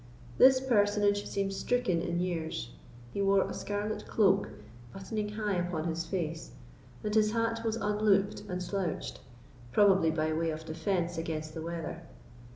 This personage seemed stricken in years. He wore a scarlet cloak, buttoning high upon his face, and his hat was unlooped and slouched, probably by way of defence against the weather.